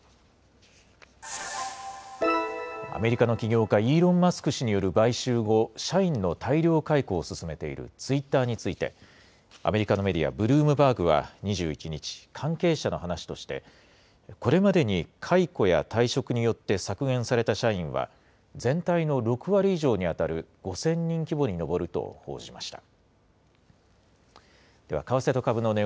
アメリカの起業家、イーロン・マスク氏による買収後、社員の大量解雇を進めているツイッターについて、アメリカのメディア、ブルームバーグは２１日、関係者の話として、これまでに解雇や退職によって削減された社員は、全体の６割以上に当たる５０００人規模に上ると報じました。